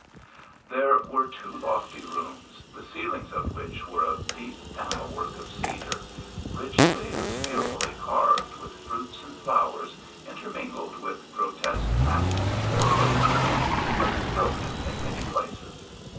There were two lofty rooms, the ceilings of which were of deep panel work of cedar, richly and skilfully carved with fruits and flowers, intermingled with grotesque masks or faces; but broken in many places.